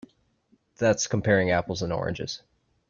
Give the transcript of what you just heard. That's comparing apples and oranges.